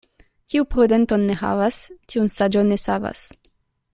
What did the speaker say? Kiu prudenton ne havas, tiun saĝo ne savas.